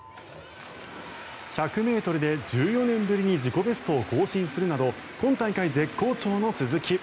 １００ｍで１４年ぶりに自己ベストを更新するなど今大会絶好調の鈴木。